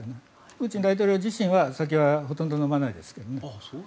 プーチン大統領自身は、酒はほとんど飲まないですけどね。